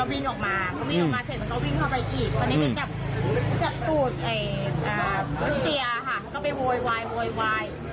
วันนี้มันจับจับตูดเอ่ยอ่าเสียค่ะเขาไปโวยวายโวยวาย